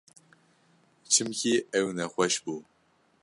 Çimkî ew nexweş bû.